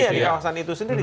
iya di kawasan itu sendiri